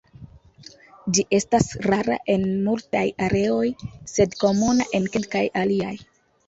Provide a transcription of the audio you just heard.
Ĝi estas rara en multaj areoj, sed komuna en kelkaj aliaj.